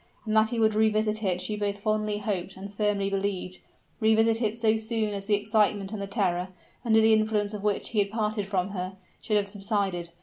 And that he would revisit it she both fondly hoped and firmly believed revisit it so soon as the excitement and the terror, under the influence of which he had parted from her, should have subsided.